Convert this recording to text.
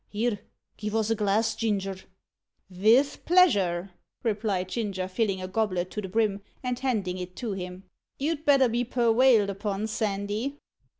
"Here, give us a glass, Ginger!" "Vith pleasure," replied Ginger, filling a goblet to the brim, and handing it to him. "You'd better be perwailed upon, Sandy."